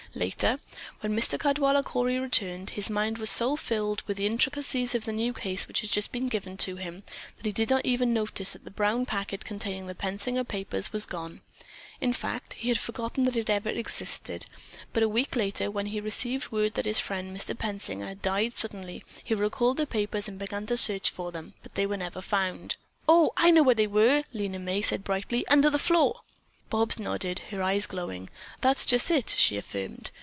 Later, when Mr. Caldwaller Cory returned, his mind was so filled with the intricacies of the new case which had just been given to him, that he did not even notice that the brown packet containing the Pensinger papers was gone; in fact, he had forgotten that it ever existed; but a week later, when he received word that his friend, Mr. Pensinger, had died suddenly, he recalled the papers and began to search for them, but they were never found." "Oh, I know where they were," Lena May said brightly, "under the floor." Bobs nodded, her eyes glowing. "That's just it!" she affirmed.